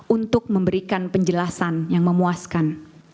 untuk memberikan penjelasan yang memuaskan